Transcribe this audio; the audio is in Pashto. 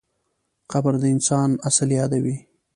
قبر د انسان اصل یادوي.